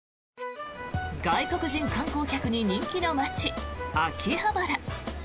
外国人観光客に人気の街秋葉原。